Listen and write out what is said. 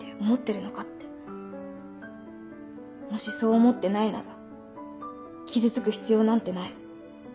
「もしそう思ってないなら傷つく必要なんてない。